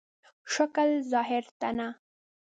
شکل ظاهر ته نه.